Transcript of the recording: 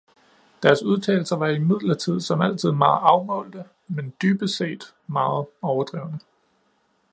Deres udtalelser var imidlertid som altid meget afmålte, men dybest set meget overdrevne.